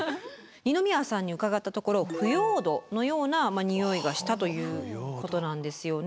二宮さんに伺ったところ腐葉土のようなにおいがしたということなんですよね。